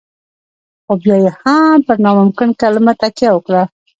خو بيا يې هم پر ناممکن کلمه تکيه وکړه.